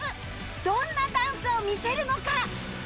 どんなダンスを見せるのか！？